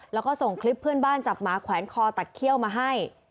แล้วก็ส่งคลิปเพื่อนบ้านจับหมาแขวนคอตักเขี้ยวมาให้